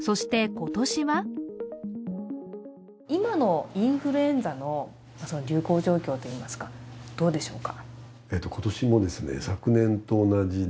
今のインフルエンザの流行状況はどうでしょうか？